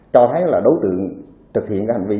cho thấy là đối tượng thực hiện cái hành vi